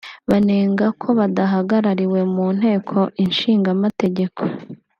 banenga ko badahagarariwe mu Nteko Ishingamategeko